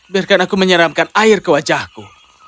biarkan aku menyeramkan air ke wajahku